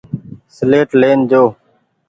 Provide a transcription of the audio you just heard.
سيليٽ لين جو ۔